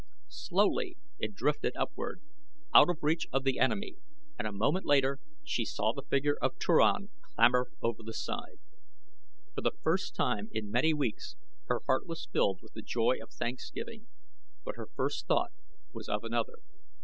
Slowly it drifted upward, out of reach of the enemy, and a moment later she saw the figure of Turan clamber over the side. For the first time in many weeks her heart was filled with the joy of thanksgiving; but her first thought was of another.